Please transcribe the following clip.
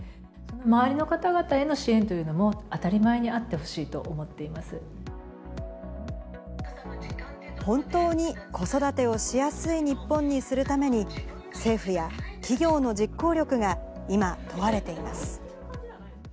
周りの方の支援というのは、当たり前にあってほしいと思って本当に子育てをしやすい日本にするために、政府や企業の実行力が今、問われています。